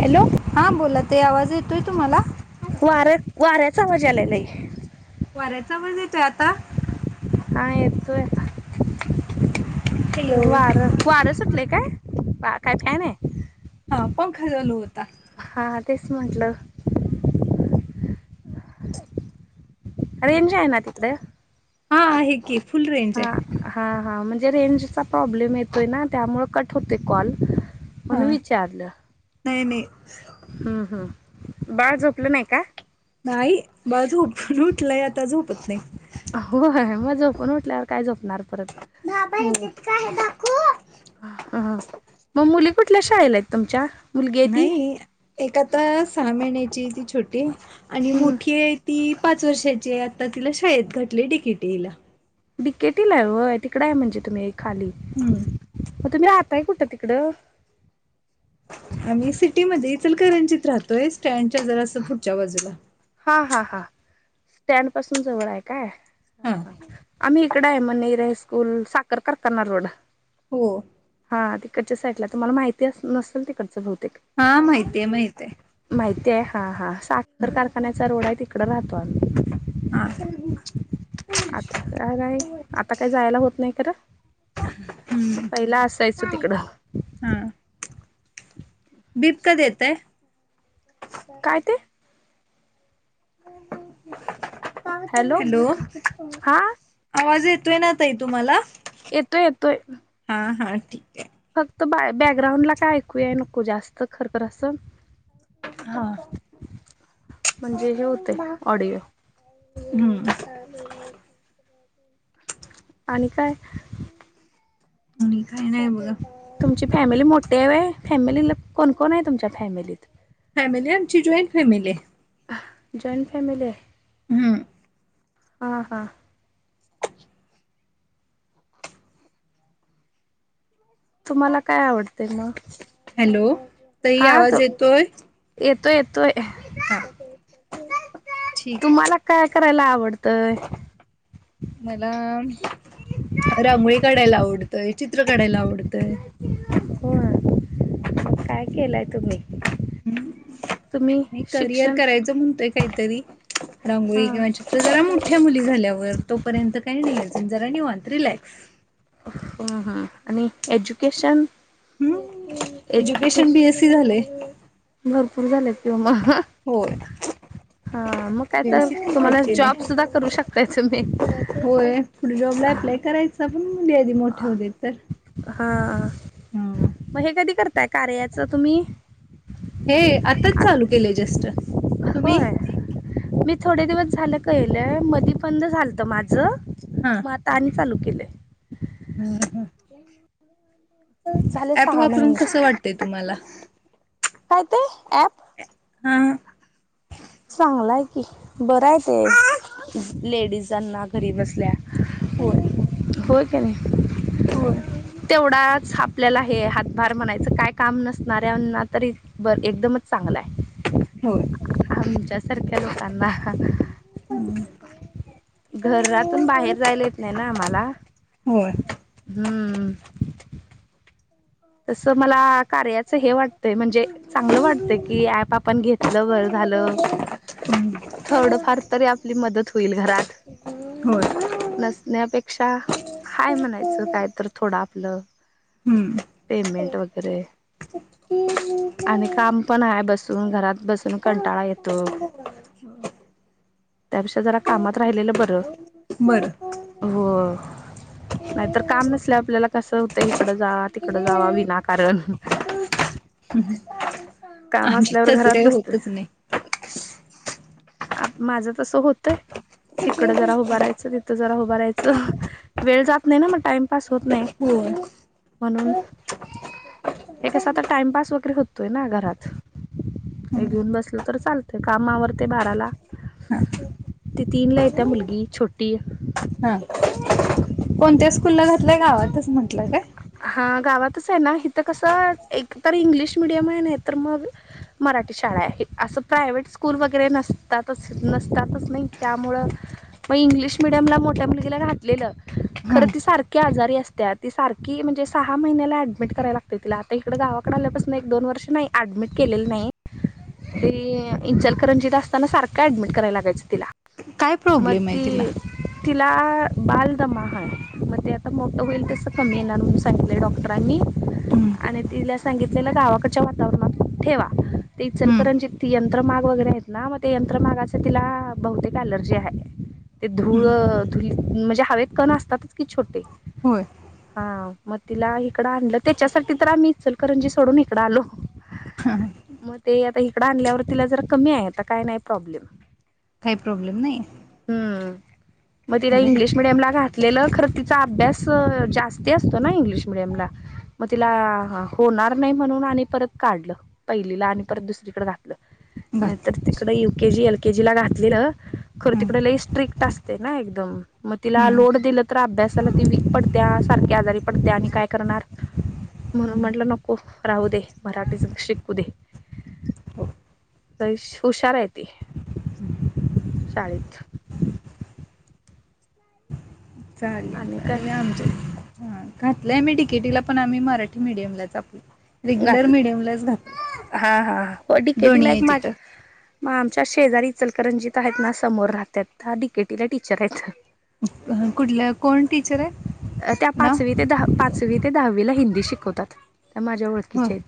Hello. हा बोला ते आवाज येतोय तुम्हाला वाऱ्यात-वाऱ्याचा. आवाज यायला लागलाय लई. वाऱ्याचा आवाज येतोय आता? हा येतोय. हॅलो वार वार सुटलेय काय? काय नाही. हा पंखा चालू होता. हा तेच म्हटलं. ह [inaudible] रेंज आहे ना तिकड? हा आहे की. फुल रेंज हा आहे हा हा म्हणजे रेंजचा प्रॉब्लेम येतोय ना? त्यामुळे कट होतोय कॉल. हा म्हणून विचारलं नाही नाही हू हू. बाळ झोपलं नाही का? नाही बाळ झोपून उठलंय आता झोप होय, मग झोपून उठल्यावर काय झोपणार परत? [inaudible] हा. मग मुली कुठल्या शाळेला आहेत तुमच्या? मुलगी हाय ती. नाही एक आता सहा महिने ची आहे ती छोटी आणि हम्म मोठी हाय ती पाच वर्षाची हाय, आता तिला शाळेत घातलय डी के टी ई ला. डी के टी ई ला हाय होय, तिकड हाय म्हणजे तुम्ही खाली. हम्म म तुम्ही राहताय कुठं तिकडं? आम्ही सिटी मध्ये इचलकरंजीत राहतोय, स्टँडच्या जरास पुढच्या बाजूला. हा-हा-हा स्टँड पासून जवळ हाय काय? हा. आम्ही हिकडं हाय मनेर हाय-स्कूल, साखर कारखाना रोड. हो. हां तिकडच्या साईडला तुम्हाला माहिती अस नसेल तिकडचं बहुतेक हा माहितीये माहितीये माहिती ते हा -हा साखर हम्म. कारखान्याचा रोड आहे तिकड राहतो आम्ही हा आता काय नाही आता काय जायला होत नाही खरं हम्म पहिला असायचो तिकडं हा बीप.. का देताय? काय ते हॅलो हा आवाज येत येतोय ना ताई तुम्हांला येतोय -येतोय हा -हा ठीक आहे फक्त बा- बॅकग्राउंड ला काय ऐकूया नको जास्त खरखर असं हा म्हणजे हे होतय ऑडिओ हम्म [inaudible] [inaudible] आणि काय नाही बघा ते होय फॅमिलीला कोण -कोण आहे तुमच्या फॅमिलीत फॅमिली आमची जॉईंट फॅमिली आहे जॉईंट फॅमिली आहे हम्म हा -हा तुम्हाला काय आवडतय म हॅलो ताई आवाज येतोय? येतोय- येतोय हा [inaudible] ठीक आहे. तुम्हाला काय करायला आवडतंय मला रांगोळी काढायला आवडत येतोय -चित्र काढायला आवडतंय होय [inaudible] मग काय केलाय आहे तुम्ही? [inaudible] हम्म तुम्ही नाही करिअर शिक्षण करायचं म्हणतोय काहीतरी रांगोळी हा किंवा [unintelligible] चप जरा मोठया मुली झाल्यावर तोपर्यंत काय [inaudible] नाही अजून जरा निवांत रिलॅक्स हं हा [inaudible] आणि एज्युकेशन? हम्म एज्युकेशन बीएससी झालंय एज्युकेशन- भरपूर झाले कि म [inaudible] होय [inaudible] हा मग काय तर बीएससी तुम्हाला कंप्लीट केले जॉब सुद्धा करू शकताय तुम्ही [inaudible] होय [inaudible] पुढे जॉबला अप्लाय हा करायचा पण मुली आधी मोठे होऊदेत तर हा हा मग हे कधी करताय कार्याचं तुम्ही? हे आताच चालू केले जस्ट तुम्ही? होय मी थोडे दिवस झालं कळलं मध्ये बंद झालत माझं मग आता आणि चालू केले. हम् हम झाले ऍप सहा वापरून महिने कसं वाटतय तुम्हाला? काय ते ॲप हा चांगलाय की बरं आहे ते लेडीजांना घरीबसल्या होय हो तेवढाच आपल्याला हे हातभार म्हणायचं काय काम नसणाऱ्यांना तरी ब एकदमच चांगलं आहे. होय आमच्यासारख्या लोकांना घरातून बाहेर जायला येत नाही ना आम्हाला होय हम्म तसं मला कार्याच हे वाटतय, म्हणजे चांगलं वाटतय की ऍप आपण घेतलं बर झालं. थोडंफार तरी हम् आपली मदत होईल घरात. होय. ण्यापेक्षा हाय म्हणायचं काय तर थोड आपलं. हम्म पेमेंट वगैरे. आणि काम पण आहे बसून घरात बसून कंटाळा येतो. त्यापेक्षा जरा कामात राहिलेलं बरं. बरं. हो, नाहीतर काम नसल्या आपल्याला कसं होतं इकडं जा- थोडं जावा विनाकारण. काम आमच्यात असल्यावर तसं घरात काही बसते. होतच नाही आप माझं तसं होतंय इकडं जरा उभं राहायचं त तिथे जरा उभारायचं वेळ जात नाही ना टाईमपास. होय. म्हणून हे कसता टाइमपास वगैरे होतोय ना घरात. हे घेऊन बसल तर चालतंय. काम आवरतय बाराला. हा ती तीन ला येत्या मुलगी छोटी. हा कोणत्या स्कूलला घातलंय गावातच म्हंटलं काय? हा, गावातच आहे ना इथं कसं एकतर इंग्लिश मिडियम आहे नाही तर मग. मराठी शाळा आहे असं प्रायव्हेट स्कूल वगैरे नसतातच नसतातच नाही त्यामुळं मग इंग्लिश मिडियमला मोठ्या मुलगीला घातलेलं हा खरं ती सारखी आजारी असत्यात. ती सारखी म्हणजे सहा महिन्याला ऍडमिट कराय लागते तिला, आता इकडे गावाकड आल्यापासून एक दोन वर्ष नाही. ऍडमिट केलं नाही ते इंचलकरंजीत असताना सारखं ऍडमिट करायला लागायचं तिला. काय मग प्रॉब्लेम आहे तिला ती तिला बालदमा हाय, मग ते आता मोठं होईल तसं. कमी येणार म्हणून सांगितले डॉक्टरांनी हम्म आणि तिला सांगितलेलं गावाकडच्या वातावरणात ठेवा. ते हम्म इचलकरंजीत यंत्रमाग वगैरे आहेत ना मग ते यंत्रमागाच तिला बहुतेक अलर्जी आहे. ते धूळ हम्म धु म्हणजे हवेत कण असतातच की छोटे होय. हा, मग तिला इकडं आणलं त्याच्यासाठी तर आम्ही इचलकरंजी सोडून इकडं आलो. हा मग ते आता इकडं आणल्यावर तिला जरा कमी आहे. आता काय नाही प्रॉब्लेम. काही प्रॉब्लेम नाही. हम्म मग तिला इंग्लिश बरोबर मिडियमला घातलेलं खरं तिचा अभ्यास जास्त- ते असतो ना इंग्लिश मिडियम ला मग तिला होणार नाही म्हणून आणि परत काढलं पहिलीला आणि परत दुसरीकडे घात. घात नाहीतर तिकड U K G L KG ला घातले ना. र हम्म तिकडेला स्ट्रिक्ट असते ना एकदम मग तिला हम्म लोड दिलं तर अभ्यासाला ती वीक पडत्या सारख. आजारी पडते. आणि काय करणार? म्हणून म्हटलं नको राहू दे मराठीच शिकू दे. तरी हुशार आहे ती शाळेत. चालेल आणि काय चाले आमचे. घातलंय मी डी केटीला पण आम्ही मराठी मीडियमला आपल. रेग्युलर घातलं मिडियमलाच घातलं. हा हा हो दोन्ही डिकेटीला आहे एक माझ तिथं. मग आमच्या शेजारी इचलकरंजीत आहेत ना समोर राहत आहेत डीकेटीला टीचर आहेत. कुठलं? कोण टीचर आहे? त्या नाव पाचवी ते दहा पाचवी ते दहावी ला हिंदी शिकवतात. त्या माझ्या होय ओळखीचे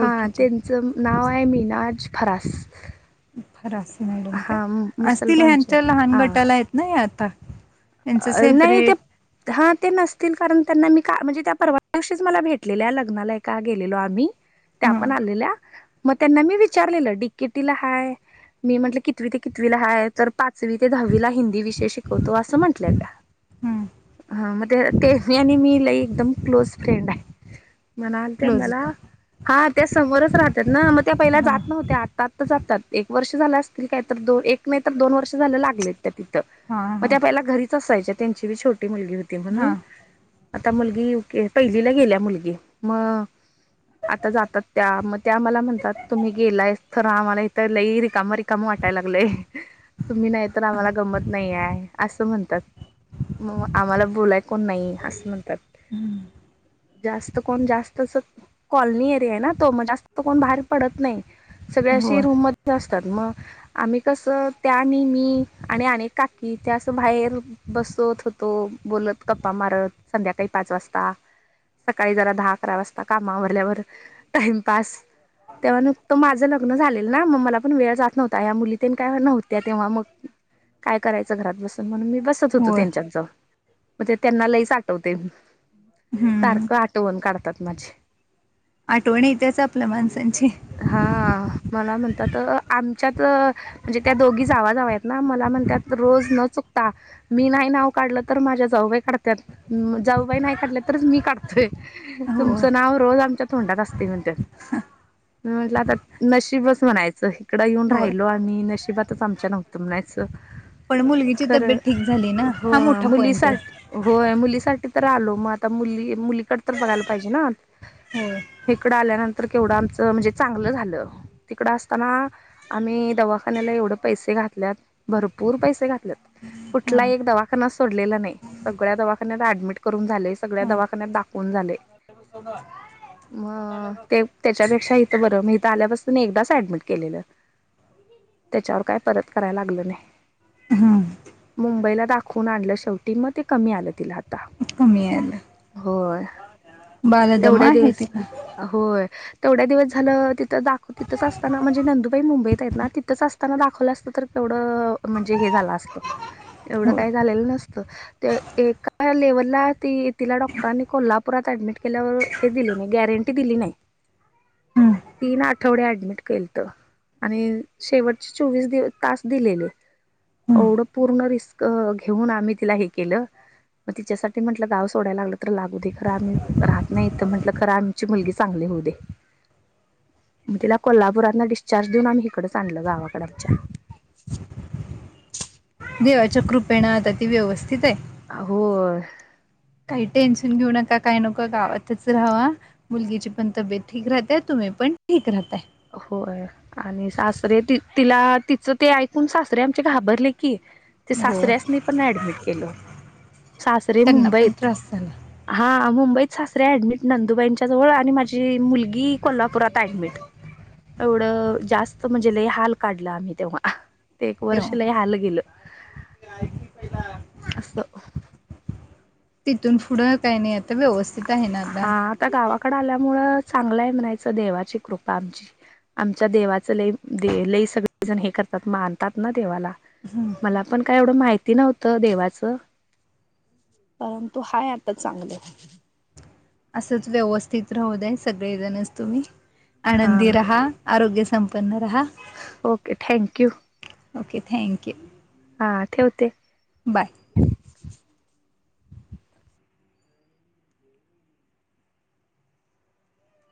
हा त्यांचं नाव आहे मिनाज फरास. फरास मॅडम काय? हा असतील मुसलमानचे आहेत. ह्यांच्या लहान हा गटाला आहेत ना आता. यांचं नाही ते, सेपरेट हा ते नसतील कारण. त्यांना मी का म्हणजे त्या, परवा दिवशी मला भेटलेल्या आहे लग्नाला आहे का गेलेलो आम्ही. त्या हा पण आलेल्या मग त्यांना मी, विचारलेलं डिककेटीला हाय. मी म्हटलं कितती ते कितवीला हाय तर पाचवी ते दहावीला हिंदी विषय शिकवतो असं म्हण. त्या, हं. हा मग ते ते मी आणि मी लई एकदम क्लोज फ्रेंड आहे. म्हणाल त्या क्लोज मला होता. हा त्या समोरच राहतात ना, मग त्या पहिल्या हां. जात नव्हत्या आत्ता आात तर जातात. एक वर्ष झालं असतील, का तर एक नाही तर दोन वर्ष झालं लागले, त्या तिथं हां, मग हां. त्या पहिल्या घरी असायच्या त्यांची बी छोटी मुलगी होती म्हणून. हां. आता मुलगी पहिलीला गेल्या मुलगी मग. आता जातात त्या मग त्या मला म्हणतात, तुम्ही गेलाय तर आम्हाला इथ लई रिकाम रिकाम. टा लाग तुम्ही नाही तर, आम्हाला गमत नाही असं म्हणतात. म आम्हाला बोलाय कोण नाही असं म्हणतात. जास्त कोण जास्त कॉलनी एरिया आहे, ना तो मग जास्त कोण बाहेर पडत नाही. सगळ्याशी होय. रूम मध्ये, मग आम्ही कसं त्या नहमी आणि काकी त्यास बाहेर. बसवत होतो, बोलत गप्पा मारत संध्याकाळी पाच वाजता. सकाळी जरा दहा अकरा वाजता कामावरल्यावर टाइम. तेव्हा त माझं लग्न झालेल ना मग मला. पण वेळ जात नव्हता, या मुली काय नव्हत्या तेव्हा मग काय करायचं घरात बसून म्हणून मी बस. होत होय. त्यांच्या, मग त्यांना लईच आठवते हं. सारखं आठवून काढता. आठवण येतेच आपल्या माणसांची. हा मला म्हणतात. तर आमच्यात म्हणजे त्या दोघी जावा जाव्या आहेत, ना मला म्हण त्यात रोज न चुकता. मी नाही नाव काढलं तर माझ्या जाऊबाई काढत, जाऊबाई नाही काढल्या तरच मी काढतोय. होय. तुमचं नाव रोज आमच्या तोंडात असते म्हणत. म म्हटलं आता नशिबच म्हणायचं इकडं येऊन होय. राहिलो, आम्ही नशिबातच आमच्या नव्हतं म् अससं. पण मुलगची तब्येत ठीक. झाली ना, हो हा मोठा मुली पॉइंट सा आहे. होय मुली. मु साठी तर आलो मग, आता मुली मुलीकड तर बघायला पाहिजे ना. होय. इकड आल्यानंतर केवढं आमच म्हणजे, चांगलं झालं तिकड असताना आम्ही दवाखान्यात. दवाखान्याला एवढ, पैसे घातल्या भरपूर पैसे घातल्यात. कुठला हां. एक दवाखाना सोडलेला नाही, सगळ्या दवाखान्यात ऍडमिट करून झाले, सगळ्या हां. दवाखान्यात दाखवून झाले. [unintelligible] [unintelligible] मग ते त्याच्यापेक्षा इथं बरं मी इथं, आल्यापासून एकदाच ऍडमिट केलेलं. त्याच्यावर काय परत करायला लागलं नाही. हं. मुंबईला दाखवून आणलं शेवटी, मग ते कमी आलं तिला आता. कमी यायला. होय बालदमा तेवढ्या आहे दिवस तिला. होय. तेवढ्या दिवस झालं तिथं दाखव तिथंच असताना म्हणजे, नंदुबाई मुंबईत आहेत ना तिथंच असताना दाखवलं असतं तर, म्हणजे हे झालं असत, एवढं होय. काही झालेलं नसतं, ते एका लेवलला ती तिला डॉक्टरांनी कोल्हापुरात, केल्यावर हे दि नाही गॅरंटी दिली नाही. हं. तीन आठवड्या ऍडमिट केल त, आणि शेवटचे चोवीस दि तास दिलेले, हं. एवढं पूर्ण रिस्क घेऊन, आम्ही तिला हे केलं. मग तिच्यासाठी म्हटलं, गाव सोडायला लागलं तर लागू दे खर आम्ही राहत नाहीथं म्हटलं खरं आमची मुलगी चांगली. हो दे, मग तिला कोल्हापुरात ना डिस्चार्ज देऊन, आम्ही इकडच आणल गावाकडे आमच्या. [unintelligible] देवाच्या कृपेणा आता ती व्यवस्थित आहे. होर. काही टेन्शन घेऊ नका काय नको गावातच राहावा मुलगीची पण तब्येत ठीक राहते तुम्ही पण ठीक राहता. होय आणि सासरे तिला तिचं ते ऐकून सासरे आमचे घाबरले की ते हो. सासऱ्यासनी पण ऍडमिट केलं. सासरे त्यांना पण मुंबईत त्रास झाला हा मुंबईत सासरे ऍडमिट नंदुबाईच्या जवळ आणि माझी मुलगी कोल्हापुरात ऍडमिट. एवढं जास्त म्हणजे ल हाल काढला आम्ही तेव्हा ते एक तेव्हा वर्षला आलं गेलं अस. तिथून पुढं काही नाही आता व्यवस्थित आहे ना हा आता गावाकड आल्यामुळं चांगलंय म्हणायचं देवाची कृपा आमची आमच्या देवाचं लई दे लई सगळे जण हे करतात मानतात ना देवाला हम्म. का एवढं माहिती नव्हतं देवाचं. परंतु हाय आता चांगलं. असच व्यवस्थित राहू दय सगळेजणच तुम्ही हा आनंदी राहा आरोग्य संपन्न राहा. Okay thank you okay thank you. हा ठेवते. बाय.